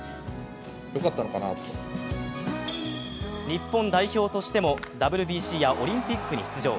日本代表としてもＷＢＣやオリンピックに出場。